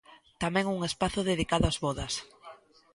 Tamén un espazo dedicado ás vodas.